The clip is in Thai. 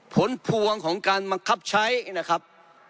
ผลพวงของการบังคับใช้นะครับ